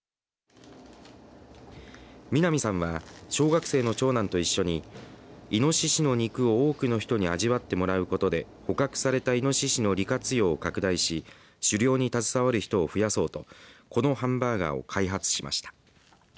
南さんは小学生の長男と一緒にいのししの肉を多くの人に味わってもらうことで捕獲されたいのししの利活用を拡大し狩猟に携わる人を増やそうとこのハンバーガーを開発しました。